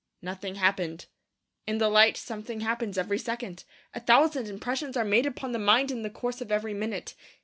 Nothing happened. In the light something happens every second. A thousand impressions are made upon the mind in the course of every minute.